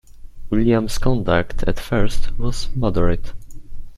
William’s conduct at first was moderate.